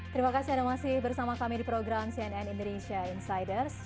terima kasih anda masih bersama kami di program cnn indonesia insiders